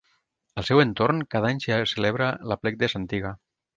Al seu entorn, cada any s'hi celebra l'Aplec de Santiga.